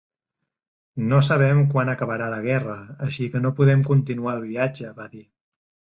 "No sabem quan acabarà la guerra, així que no podem continuar el viatge" va dir.